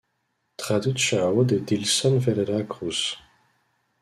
Tradução de Dilson Ferreira Cruz.